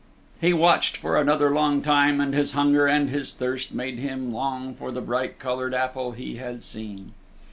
He watched for another long time, and his hunger and his thirst made him long for the bright colored apple he had seen.